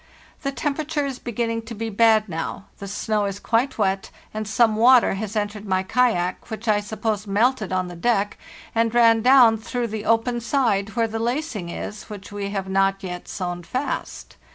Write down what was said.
The temperature is beginning to be bad now; the snow is quite wet, and some water has entered my kayak, which I suppose melted on the deck and ran down through the open side where the lacing is, which we have not yet sewn fast.